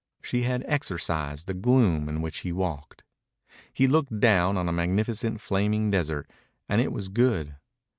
She had exorcised the gloom in which he walked. He looked down on a magnificent flaming desert, and it was good.